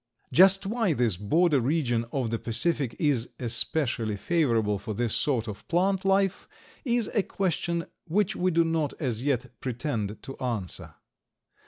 Just why this border region of the Pacific is especially favorable for this sort of plant life is a question which we do not as yet pretend to answer.